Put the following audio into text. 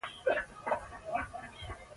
د سوالونو ځواب یوازې هغه ته څرګند و.